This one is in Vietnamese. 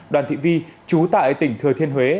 đoàn thị vi trú tại tỉnh thừa thiên huế